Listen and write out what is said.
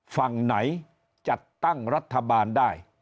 ฝั่งไหนจัดตั้งรัฐบาลได้